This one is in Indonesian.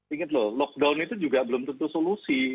ingat loh lockdown itu juga belum tentu solusi